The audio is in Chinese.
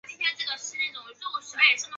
新城市是爱知县东部东三河地区的市。